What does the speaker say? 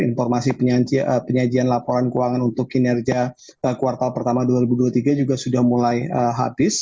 informasi penyajian laporan keuangan untuk kinerja kuartal pertama dua ribu dua puluh tiga juga sudah mulai habis